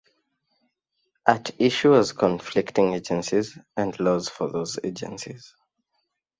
At issue was conflicting agencies and laws for those agencies.